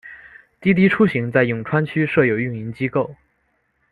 滴滴出行在永川区设有运营机构。